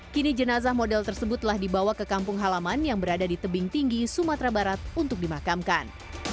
kini jenazah model tersebut telah dibawa ke kampung halaman yang berada di tebing tinggi sumatera barat untuk dimakamkan